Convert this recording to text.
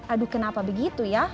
aduh kenapa begitu ya